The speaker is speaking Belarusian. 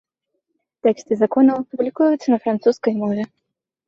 Тэксты законаў публікуюцца на французскай мове.